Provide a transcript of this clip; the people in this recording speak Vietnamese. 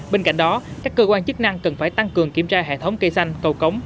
bên cạnh đó các cơ quan chức năng cần phải tăng cường kiểm tra hệ thống cây xanh cầu cống